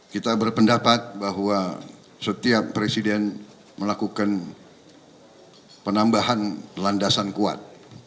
kita berpendapat bahwa setiap presiden melakukan penambahan landasan kuat